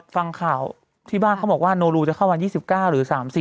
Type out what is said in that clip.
ฟังข่าวที่บ้านเขาบอกว่าโนลูจะเข้าวันยี่สิบเก้าหรือสามสิบ